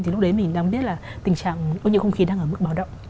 thì lúc đấy mình đang biết là tình trạng có những không khí đang ở mức báo động